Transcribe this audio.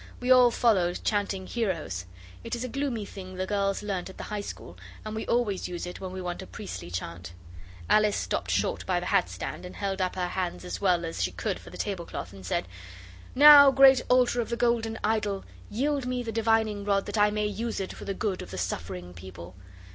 We all followed chanting 'Heroes.' It is a gloomy thing the girls learnt at the High School, and we always use it when we want a priestly chant. Alice stopped short by the hat stand, and held up her hands as well as she could for the tablecloth, and said 'Now, great altar of the golden idol, yield me the divining rod that I may use it for the good of the suffering people.